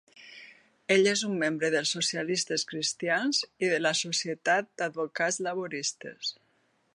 Ell és un membre dels socialistes cristians i de la Societat d'Advocats Laboristes.